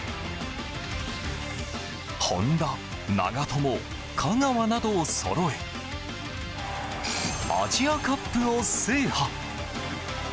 本田、長友、香川などをそろえアジアカップを制覇。